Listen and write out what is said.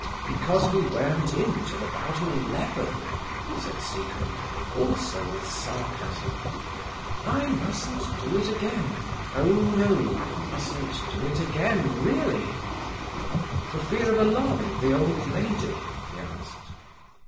"Because we weren't in till about eleven?" said Siegmund, also with sarcasm. "I mustn't do it again. Oh no, I mustn't do it again, really." "For fear of alarming the old lady?" he asked.